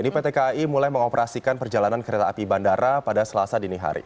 ini pt kai mulai mengoperasikan perjalanan kereta api bandara pada selasa dini hari